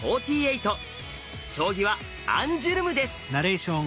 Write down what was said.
将棋はアンジュルムです。